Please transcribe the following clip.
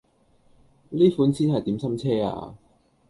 呢款先係點心車呀